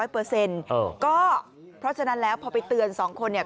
เพราะฉะนั้นแล้วพอไปเตือนสองคนเนี่ย